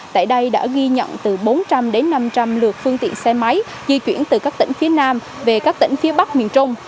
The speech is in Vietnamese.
tại đây đã ghi nhận từ bốn trăm linh đến năm trăm linh lượt phương tiện xe máy di chuyển từ các tỉnh phía nam về các tỉnh phía bắc miền trung